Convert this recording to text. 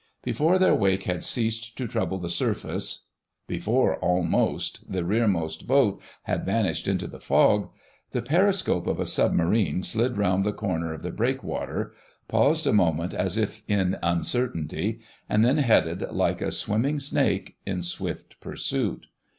Before their wake had ceased to trouble the surface—before, almost, the rearmost boat had vanished into the fog—the periscope of a Submarine slid round the corner of the breakwater, paused a moment as if in uncertainty, and then headed, like a swimming snake, in swift pursuit.